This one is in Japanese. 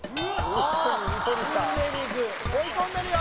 あっ・追い込んでるよ